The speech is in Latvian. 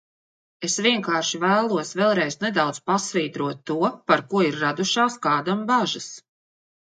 Es vienkārši vēlos vēlreiz nedaudz pasvītrot to, par ko ir radušās kādam bažas.